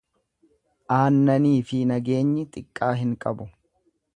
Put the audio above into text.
Aannaniifi nageenyi xiqqaa hin qabu.